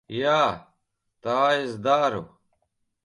Jā, tā es daru.